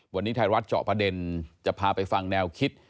วันนี้ไทยรัฐเจาะประเด็นจะพาไปฟังแนวคิด